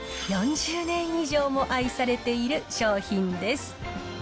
４０年以上も愛されている商品です。